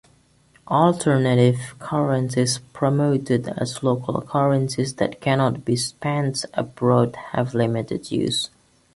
Alternative currencies promoted as local currencies that cannot be spent abroad have limited use.